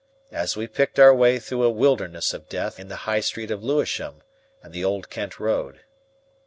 as we picked our way through a wilderness of death in the High Street of Lewisham and the Old Kent Road.